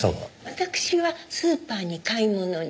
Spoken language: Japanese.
私はスーパーに買い物に。